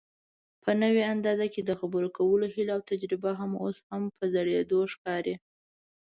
په نوي انداز کې دخبرو کولو هيله اوتجربه هم اوس په زړېدو ښکاري